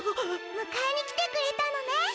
むかえにきてくれたのね？